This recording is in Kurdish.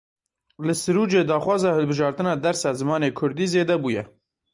Li Sirûcê daxwaza hilbijartina dersa zimanê kurdî zêde bûye.